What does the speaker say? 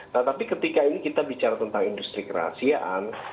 nah tapi ketika ini kita bicara tentang industri kerahasiaan